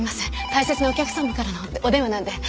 大切なお客様からのお電話なので。